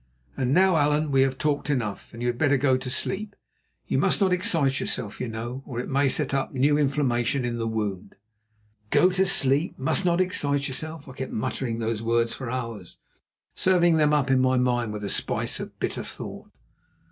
And now, Allan, we have talked enough, and you had better go to sleep. You must not excite yourself, you know, or it may set up new inflammation in the wound." "Go to sleep. Must not excite yourself." I kept muttering those words for hours, serving them up in my mind with a spice of bitter thought.